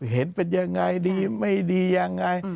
เห็นเป็นยังไงดีไม่ดียังไง